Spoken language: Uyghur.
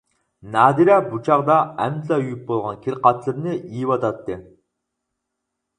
نادىرە بۇ چاغدا ئەمدىلا يۇيۇپ بولغان كىر-قاتلىرىنى يېيىۋاتاتتى.